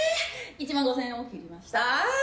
１万５０００円をオフきました！